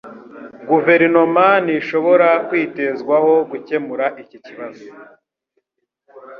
Guverinoma ntishobora kwitezwaho gukemura iki kibazo.